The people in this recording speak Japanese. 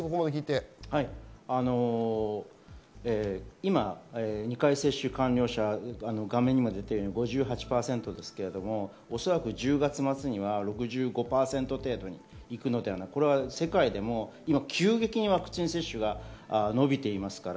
今２回接種完了者が画面に出ているように５８％ですけれども、１０月末には６５％くらいまでいくのではないか、世界でも急激にワクチン接種が伸びていますから。